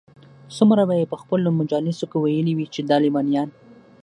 څومره به ئې په خپلو مجالسو كي ويلي وي چې دا ليونيان